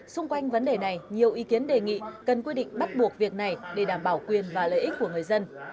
xung quanh vấn đề này nhiều ý kiến đề nghị cần quy định bắt buộc việc này để đảm bảo quyền và lợi ích của người dân